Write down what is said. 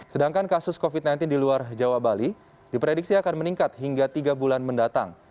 sedangkan kasus covid sembilan belas di luar jawa bali diprediksi akan meningkat hingga tiga bulan mendatang